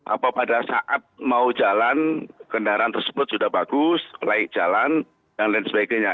apapada saat mau jalan kendaraan tersebut sudah bagus layak jalan dan lain sebagainya